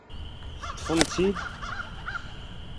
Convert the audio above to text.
Teṭṭfemt-t-id?